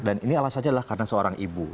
ini alasannya adalah karena seorang ibu